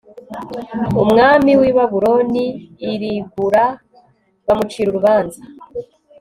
umwami w i Babuloni i Ribula bamucira urubanza